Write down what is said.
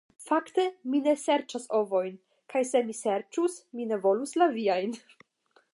Fakte, mi ne serĉas ovojn; kaj se mi serĉus, mi ne volus la viajn.